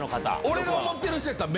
俺が思ってる人やったら。